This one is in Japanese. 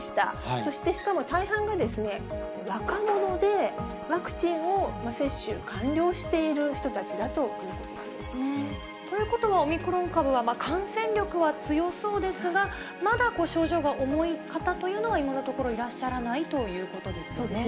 そしてしかも大半が若者で、ワクチンを接種完了している人たちだということなんですね。ということは、オミクロン株は感染力は強そうですが、まだ症状が重い方というのは今のところ、いらっしゃらないということですよね。